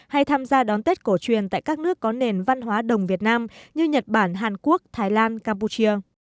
hay tham gia đón tết cổ truyền tại các nước có nền văn hóa đồng việt nam như nhật bản hàn quốc thái lan campuchia